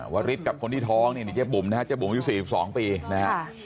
วริสกับคนที่ท้องเนี่ยเจ้าบุ๋มนะฮะเจ้าบุ๋มอยู่๔๒ปีนะฮะ